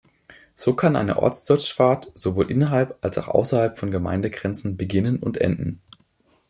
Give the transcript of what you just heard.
So kann eine Ortsdurchfahrt sowohl innerhalb als auch außerhalb von Gemeindegrenzen beginnen und enden.